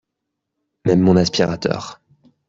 Même mon aspirateur